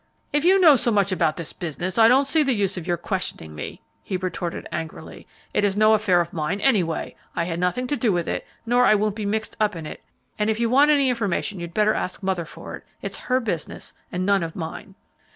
"If you know so much about this business, I don't see the use of your questioning me," he retorted angrily. "It's no affair of mine anyway; I had nothing to do with it, nor I won't be mixed up in it; and if you want any information you'd better ask mother for it; it's her business and none of mine."